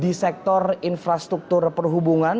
di sektor infrastruktur perhubungan